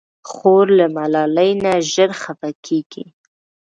خور له ملالۍ نه ژر خفه کېږي.